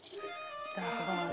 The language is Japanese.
どうぞどうぞ。